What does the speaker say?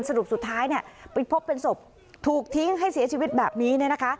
สรุปสุดท้ายเนี่ยไปพบเป็นศพถูกทิ้งให้เสียชีวิตแบบนี้เนี่ยนะคะ